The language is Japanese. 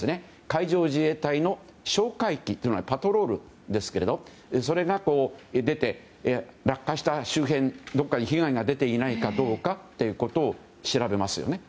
海上自衛隊の哨戒機というのがパトロールですけどそれが出て、落下した周辺どこかに被害が出ていないかを調べますよね。